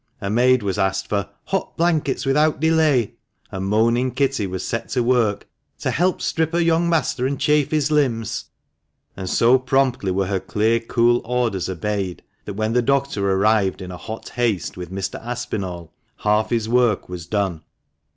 A maid was asked for "hot blankets without delay!" and moaning Kitty was set to work to "help to strip her young master and chafe his limbs." And so promptly were her clear, cool orders obeyed, that when the doctor arrived in hot haste with Mr. Aspinall, half his work was done.